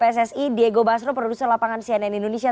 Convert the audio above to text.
di arena klb pssi diego basro produser lapangan cnn indonesia